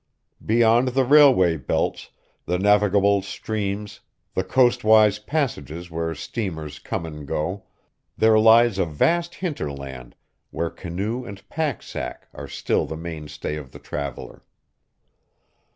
Beyond the railway belts, the navigable streams, the coastwise passages where steamers come and go, there lies a vast hinterland where canoe and pack sack are still the mainstay of the traveler.